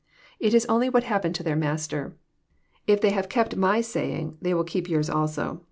It is only what happened to their Mas ter. If they have kept My saying, they will keep yours also.